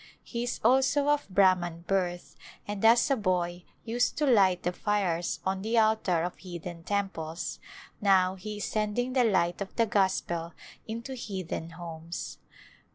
He is also of Brahman birth, and as a boy used to light the fires on the altar of heathen temples ; now he is sending the light of the Gospel into heathen homes.